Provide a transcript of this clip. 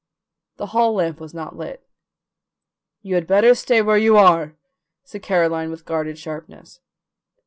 The hall lamp was not lit. "You had better stay where you are," said Caroline with guarded sharpness.